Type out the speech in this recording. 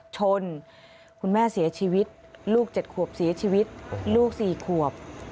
ชนคุณแม่เสียชีวิตลูก๗ขวบเสียชีวิตลูก๔ขวบ